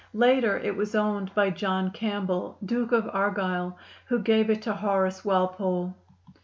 Later it was owned by John Campbell, Duke of Argyle, who gave it to Horace Walpole.